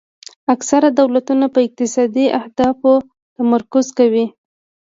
اکثره دولتونه په اقتصادي اهدافو تمرکز کوي